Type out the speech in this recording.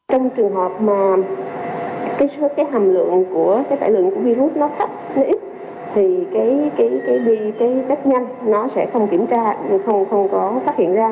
trong trường hợp mà hàm lượng tải lượng của virus thấp ít thì vì test nhanh nó sẽ không kiểm tra không phát hiện ra